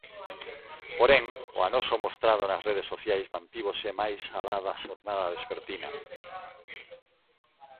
Porén, o anoxo mostrado nas redes sociais mantívose máis alá da xornada vespertina.